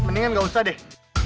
mendingan gak usah deh